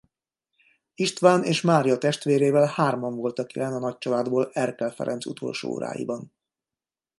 István és Mária testvérével hárman voltak jelen a nagy családból Erkel Ferenccel utolsó óráiban.